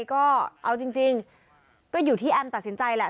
ก็เอาจริงก็อยู่ที่แอมตัดสินใจแหละ